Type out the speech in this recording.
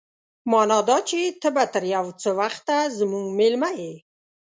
مانا دا چې ته به تر يو څه وخته زموږ مېلمه يې.